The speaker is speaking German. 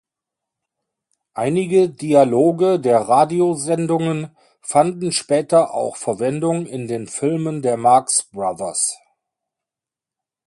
Einige Dialoge der Radiosendungen fanden später auch Verwendung in den Filmen der Marx Brothers.